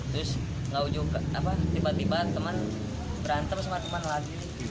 terus juga tiba tiba teman berantem sama teman lagi